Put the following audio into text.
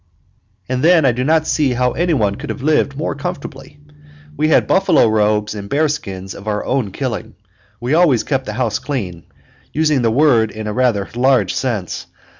And then I do not see how any one could have lived more comfortably. We had buffalo robes and bearskins of our own killing. We always kept the house clean using the word in a rather large sense.